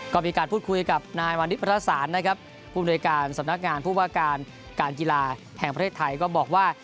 ก็มีการพูดคุยกับนายวานิสประสานนะครับผู้บริการสำนักงานผู้ว่าการการกีฬาแห่งประเทศไทยก็บอกว่า